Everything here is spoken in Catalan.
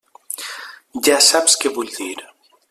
Ja saps què vull dir.